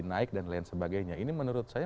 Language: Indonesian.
naik dan lain sebagainya ini menurut saya